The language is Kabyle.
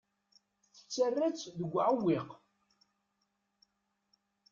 Tettarra-tt deg uɛewwiq.